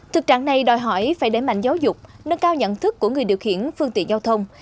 thực trạng này đòi hỏi phải đế mạnh giáo dục nâng cao nhận thức của người điều khiển phương tiện giao thông